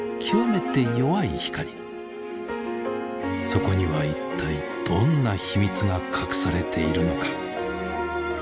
そこにはいったいどんな秘密が隠されているのか。